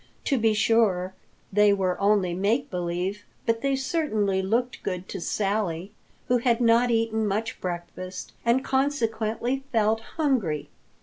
To be sure, they were only make believe, but they certainly looked good to Sally, who had not eaten much breakfast and consequently felt hungry.